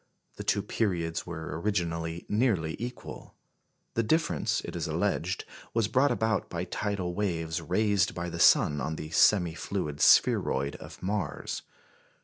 The two periods were originally nearly equal. The difference, it is alleged, was brought about by tidal waves raised by the sun on the semi fluid spheroid of Mars.